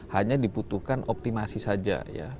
hanya dibutuhkan optimasi saja ya